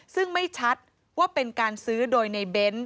ซึ่งไม่ชัดว่าเป็นการซื้อโดยในเบ้น